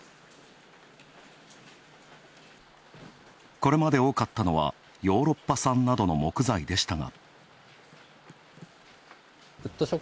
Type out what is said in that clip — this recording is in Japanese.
これまで多かったのは、ヨーロッパ産などの木材でしたが。